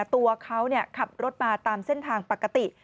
ตัวเขาขับรถมาตามเส้นทางปกติ